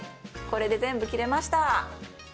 これで全部切れました！